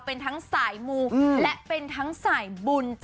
เป็นทั้งสายมูและเป็นทั้งสายบุญ